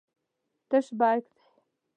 تش بیک دی.